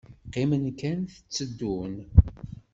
Qqimen kan tteddun.